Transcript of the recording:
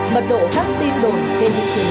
mật độ các tin đồn trên thị trường